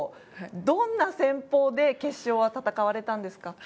どんな戦法で決勝は戦われたんですか？